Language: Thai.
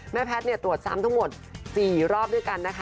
แพทย์ตรวจซ้ำทั้งหมด๔รอบด้วยกันนะคะ